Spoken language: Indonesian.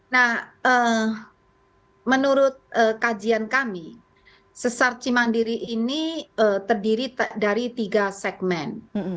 nah menurut kajian kami sesar cimandiri ini terdiri dari tiga segmen